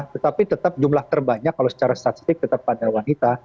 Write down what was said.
tetapi tetap jumlah terbanyak kalau secara statistik tetap pada wanita